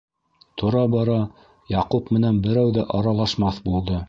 Тора-бара Яҡуп менән берәү ҙә аралашмаҫ булды.